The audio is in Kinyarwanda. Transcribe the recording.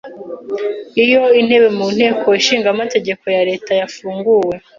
Iyo intebe mu nteko ishinga amategeko ya leta yafunguwe